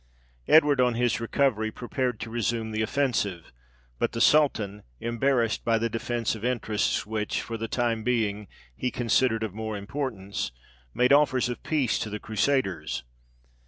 Edward, on his recovery, prepared to resume the offensive; but the sultan, embarrassed by the defence of interests which, for the time being, he considered of more importance, made offers of peace to the Crusaders.